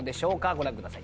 ご覧ください。